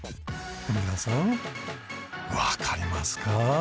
皆さんわかりますか？